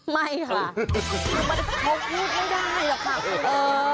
ไม่ค่ะมันต้องพูดไม่ได้หรอกค่ะเออ